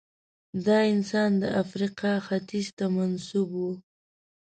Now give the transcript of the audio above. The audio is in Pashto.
دا انسان د افریقا ختیځ ته منسوب و.